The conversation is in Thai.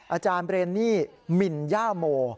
อาจารย์เรนนี่มินย่าโม